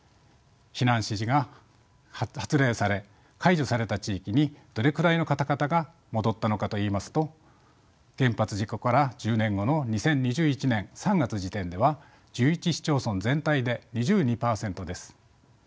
避難指示が発令され解除された地域にどれくらいの方々が戻ったのかといいますと原発事故から１０年後の２０２１年３月時点では１１市町村全体で２２％です。